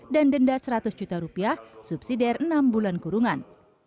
dan denda seratus juta rupiah subsidi dari enam bulan kurungan